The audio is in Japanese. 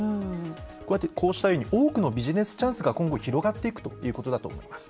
こうやってこうしたように多くのビジネスチャンスが今後広がっていくということだと思います。